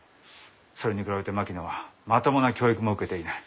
それに比べて槙野はまともな教育も受けていない。